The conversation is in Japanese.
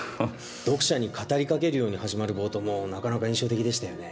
読者に語りかけるように始まる冒頭もなかなか印象的でしたよね。